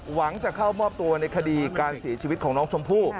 หวังจะเข้ามอบตัวในคดีการเสียชีวิตของน้องชมพู่